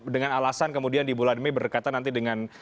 dengan alasan kemudian di bulan mei berdekatan nanti dengan